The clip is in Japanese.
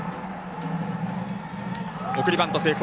送りバント成功。